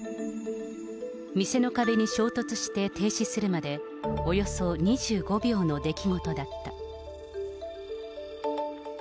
店の壁に衝突して停止するまで、およそ２５秒の出来事だった。